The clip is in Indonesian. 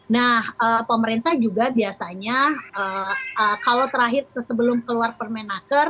nah pemerintah juga biasanya kalau terakhir sebelum keluar permenaker